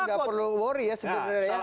tidak perlu worry ya sebetulnya ya